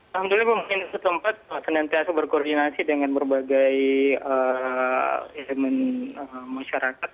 alhamdulillah mungkin setempat kenantiasa berkoordinasi dengan berbagai elemen masyarakat